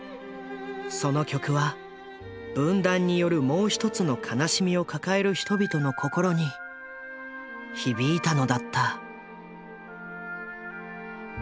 その曲は分断によるもう１つの悲しみを抱える人々の心に響いたのだった。